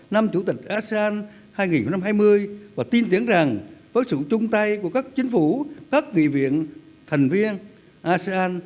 năm chủ tịch asean hai nghìn hai mươi và tin tiếng rằng với sự chung tay của các chính phủ các nghị viện thành viên asean